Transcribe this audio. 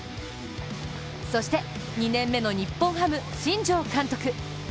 そして２年目の日本ハム、新庄監督。